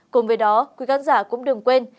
cùng với đó quý khán giả cũng đừng quên